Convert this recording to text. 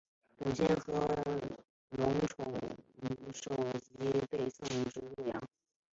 董宪和庞萌首级被送至洛阳。